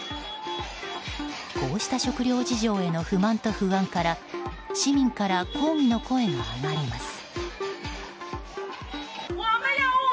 こうした食料事情への不満と不安から市民から抗議の声が上がります。